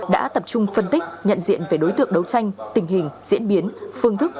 đã tập trung phân tích nhận diện về đối tượng đấu tranh tình hình diễn biến phương thức